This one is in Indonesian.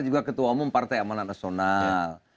juga ketua umum partai amanat nasional